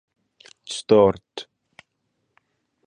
He repeated these demonstrations Madison Square Garden two weeks later.